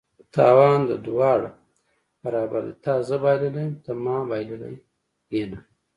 تاوان د دواړه برابر دي: تا زه بایللي یم ته ما بایلله ینه